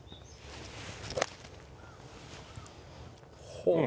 ほう！